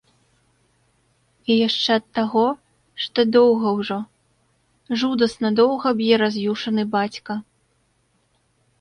І яшчэ ад таго, што доўга ўжо, жудасна доўга б'е раз'юшаны бацька.